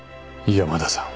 山田さん。